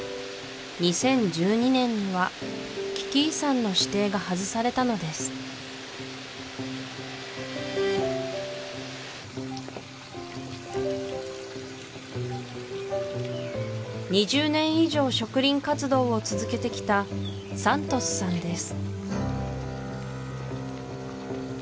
２０１２年には危機遺産の指定が外されたのです２０年以上植林活動を続けてきたサントスさんです